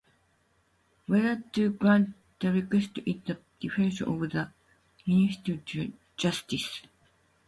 Whether to grant the request is at the discretion of the Minister for Justice.